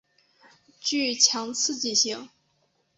具强刺激性。